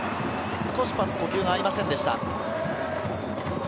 少しパス、呼吸が合いませんでした。